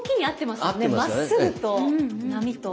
まっすぐと波と。